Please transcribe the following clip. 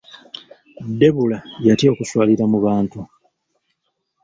Debula yatya okuswalira mu bantu.